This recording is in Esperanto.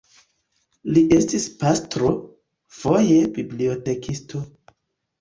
Li estis pastro, foje bibliotekisto.